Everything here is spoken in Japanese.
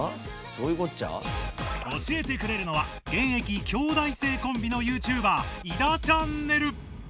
教えてくれるのは現役京大生コンビのＹｏｕＴｕｂｅｒいだちゃんねる。